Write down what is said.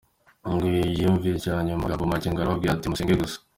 Ngo yariyumviriye mu magambo make ngo arababwira ati : “Musenge gusa”.